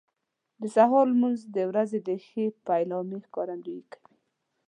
د سهار لمونځ د ورځې د ښې پیلامې ښکارندویي کوي.